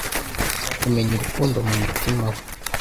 Kumenya urukundo mumutima we,